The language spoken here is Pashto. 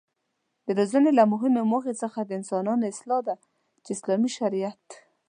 د روزنې له مهمو موخو څخه د انسانانو اصلاح ده چې اسلامي شريعت